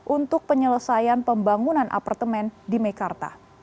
untuk penyelesaian pembangunan apartemen di mekarta